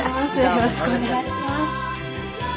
よろしくお願いします。